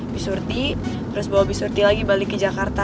di surti terus bawa di surti lagi balik ke jakarta